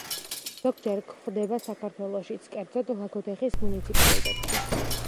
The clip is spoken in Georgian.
ზოგჯერ გვხვდება საქართველოშიც, კერძოდ ლაგოდეხის მუნიციპალიტეტში.